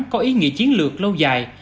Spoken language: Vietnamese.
có ý nghĩa chiến lược lâu dài